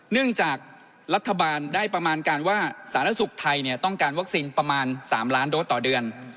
เนื่องจากรัฐบาลได้ประมาณการว่าสาธารณสุขไทยต้องการวัคซีนประมาณ๓ล้านโดสต่อเดือน